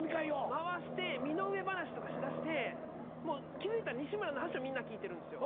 回して身の上話とかしだしてもう気付いたら西村の話をみんな聞いてるんですよ。